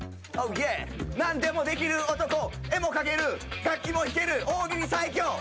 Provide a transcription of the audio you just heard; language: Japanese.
何でもできる男、絵も描ける楽器も弾ける、大喜利最強。